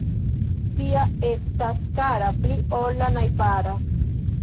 Sia estas kara pli ol la najbara.